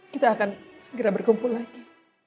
kita akan segera berkumpul lagi